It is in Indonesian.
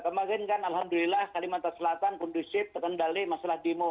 kemarin kan alhamdulillah kalimantan selatan kondusif terkendali masalah demo